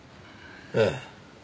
ええ。